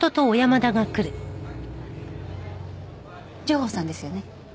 城宝さんですよね？